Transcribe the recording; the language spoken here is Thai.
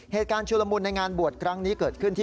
เหตุการณ์ชุลมุนในงานบวชครั้งนี้เกิดขึ้นที่